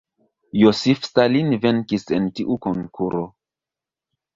Josif Stalin venkis en tiu konkuro.